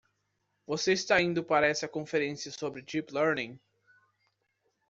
Você está indo para essa conferência sobre Deep Learning?